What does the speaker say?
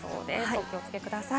お気をつけください。